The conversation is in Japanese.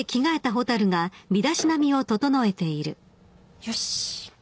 よし。